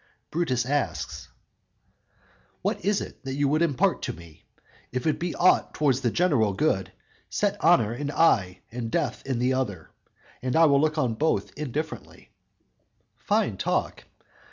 Brutus asks: "_What is it that you would impart to me? If it be aught toward the general good, Set honor in eye and death in the other, And I will look on both indifferently."_ Fine talk!